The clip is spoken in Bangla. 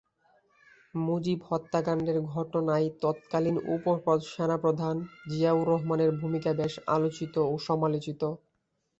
মুজিব হত্যাকাণ্ডের ঘটনায় ততকালীন উপ-সেনাপ্রধান জিয়াউর রহমানের ভূমিকা বেশ আলোচিত ও সমালোচিত।